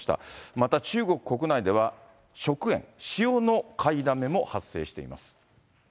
また中国国内では食塩、塩の買いだめも発生しています。